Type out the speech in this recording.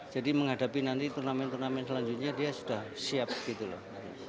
jadi menghadapi nanti turnamen turnamen selanjutnya dia sudah siap gitu loh